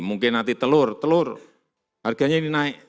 mungkin nanti telur telur harganya ini naik